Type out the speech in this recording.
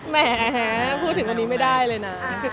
แหมพูดถึงอันนี้ไม่ได้เลยนะ